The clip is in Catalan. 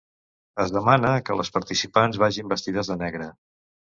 Es demana que les participants vagin vestides de negre.